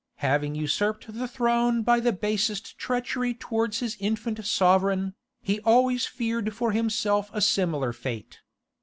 Having usurped the throne by the basest treachery towards his infant sovereign, he always feared for himself a similar fate.